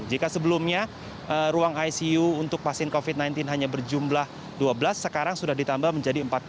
jika sebelumnya ruang icu untuk pasien covid sembilan belas hanya berjumlah dua belas sekarang sudah ditambah menjadi empat puluh